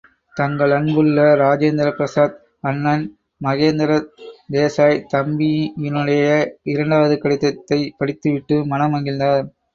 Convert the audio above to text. தங்களன்புள்ள இராஜேந்திர பிரசாத் அண்ணன் மகேந்திர தேசாய் தம்பியினுடைய இரண்டாவது கடிதத்தைப் படித்து விட்டு மனம் மகிழ்ந்தார்!